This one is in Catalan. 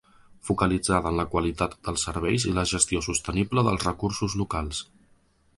Focalitzada en la qualitat dels serveis i la gestió sostenible dels recursos locals.